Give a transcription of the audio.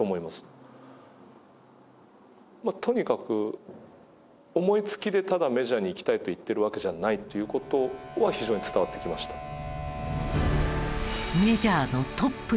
まあとにかく思いつきでただメジャーに行きたいと言ってるわけじゃないという事は非常に伝わってきました。